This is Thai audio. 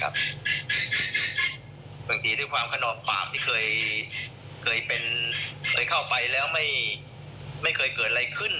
บางทีทีนับไปให้ความเข้าไปแล้วก็ไม่เคยเกิดอะไรขึ้น